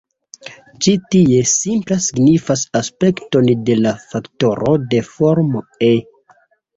Ĉi tie, 'simpla' signifas aspekton de la faktoro de formo "e".